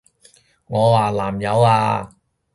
我話南柚啊！